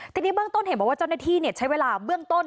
ทีนี้เบื้องต้นเห็นบอกว่าเจ้าหน้าที่ใช้เวลาเบื้องต้น